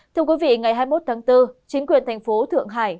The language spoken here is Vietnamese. thưa quý vị ngày hai mươi một tháng bốn chính quyền thành phố thượng hải